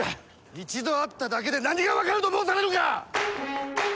一度会っただけで何が分かると申されるか！